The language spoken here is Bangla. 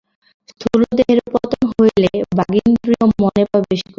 স্থূলদেহের পতন হইলে বাগিন্দ্রিয় মনে প্রবেশ করে।